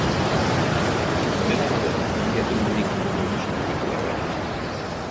La meva neboda m'ha enviat una bonica foto de Moscou per correu electrònic.